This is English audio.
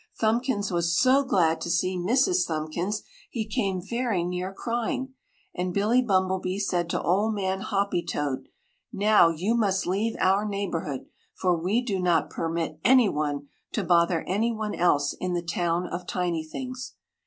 Thumbkins was so glad to see Mrs. Thumbkins he came very near crying. And Billy Bumblebee said to Old Man Hoppy toad, "Now you must leave our neighborhood, for we do not permit anyone to bother anyone else in the Town of Tinythings."